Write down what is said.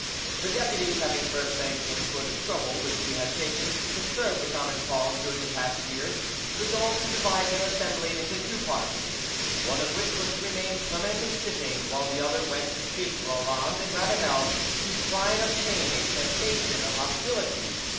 The deputies having first thanked him for the trouble which he had taken to serve the common cause during the past year, resolved to divide their assembly into two parts, one of which, was to remain permanently sitting, while the other went to seek Roland and Ravanel to try and obtain a cessation of hostilities.